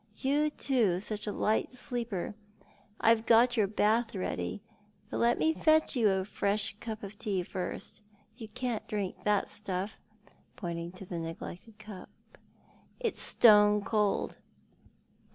You, too, such a light sleeper. I've got your bath ready ; but let me fetch you a fresh cup of tea first. You can't drink that stuff," pointing to the neglected cup. " It's stone cold."